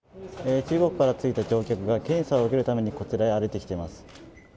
中国から着いた乗客が検査を受けるためにこちらへ歩いてきています。